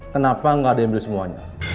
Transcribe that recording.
kenapa enggak ada yang ambil semuanya